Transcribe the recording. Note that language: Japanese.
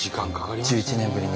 １１年ぶりに。